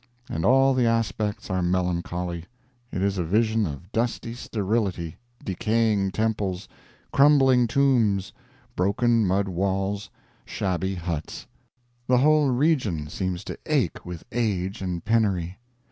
And all the aspects are melancholy. It is a vision of dusty sterility, decaying temples, crumbling tombs, broken mud walls, shabby huts. The whole region seems to ache with age and penury.